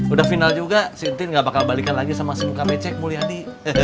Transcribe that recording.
udah final juga si entin gak bakal balikan lagi sama si muka pecek mulia di